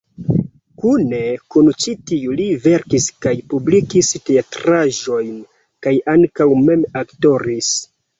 Kune kun ĉi tiu li verkis kaj publikigis teatraĵojn kaj ankaŭ mem aktoris.